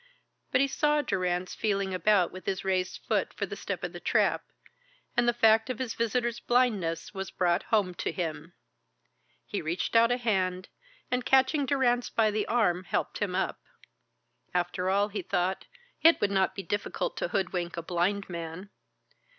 But he saw Durrance feeling about with his raised foot for the step of the trap, and the fact of his visitor's blindness was brought home to him. He reached out a hand, and catching Durrance by the arm, helped him up. After all, he thought, it would not be difficult to hoodwink a blind man.